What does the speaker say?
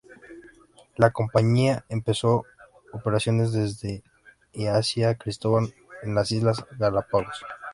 La compañía empezó operaciones desde y hacia San Cristóbal en las Islas Galápagos.